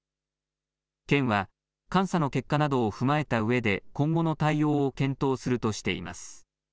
県は監査の結果などを踏まえたうえで今後の対応を検討するとしています。